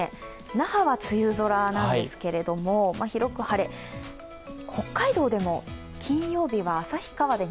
那覇は梅雨空なんですけれども広く晴れ、北海道でも金曜日は旭川で